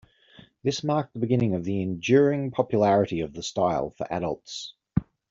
This marked the beginning of the enduring popularity of the style for adults.